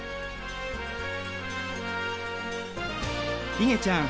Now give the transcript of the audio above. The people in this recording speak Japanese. いげちゃん